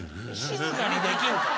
静かにできんか？